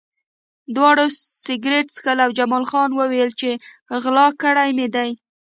دواړو سګرټ څښل او جمال خان وویل چې غلا کړي مې دي